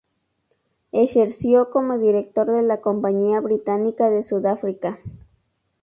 Ejerció como director de la Compañía Británica de Sudáfrica.